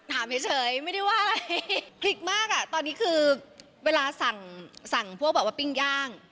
ถามเฉยไม่ได้ว่าอะไรคลิกมากอ่ะตอนนี้คือเวลาสั่งพวกแบบว่าปิ้งย่าง